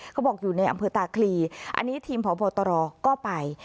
เขาบอกอยู่ในอำเภอตาคลีอันนี้ทีมพบตรก็ไป